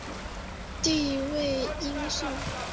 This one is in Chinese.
弟为应傃。